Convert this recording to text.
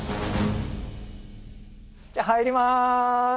じゃ入ります。